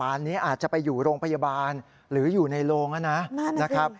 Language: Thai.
อันนี้อาจจะไปอยู่โรงพยาบาลหรืออยู่ในโรงนะครับ